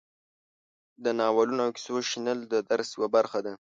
د نالونو او کیسو شنل د درس یوه برخه ده.